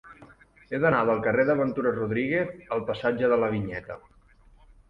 He d'anar del carrer de Ventura Rodríguez al passatge de la Vinyeta.